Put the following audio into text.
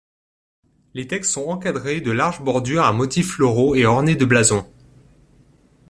Les textes sont encadrés de larges bordures à motifs floraux et ornées de blasons.